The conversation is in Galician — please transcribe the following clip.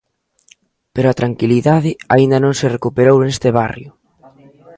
Pero a tranquilidade aínda non se recuperou neste barrio.